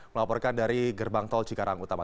melaporkan dari gerbang tol cikarang utama